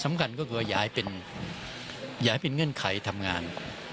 สำคัญก็คืออยากให้เป็นเงื่อนไขทำงาน